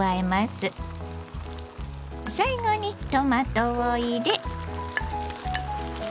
最後にトマトを入れ。